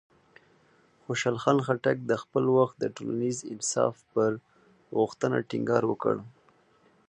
خوشحال خان خټک د خپل وخت د ټولنیز انصاف پر غوښتنه ټینګار وکړ.